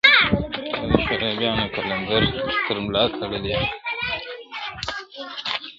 زه د شرابيانو قلندر تر ملا تړلى يم,